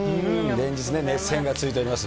連日ね、熱戦が続いております